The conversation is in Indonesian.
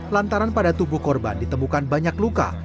lantaran pada tubuh korban ditemukan banyak luka